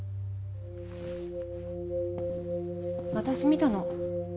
私見たの。